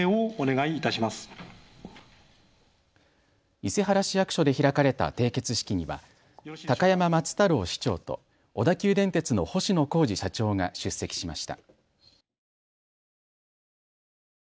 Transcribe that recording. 伊勢原市役所で開かれた締結式には高山松太郎市長と小田急電鉄の星野晃司社長が出席しました。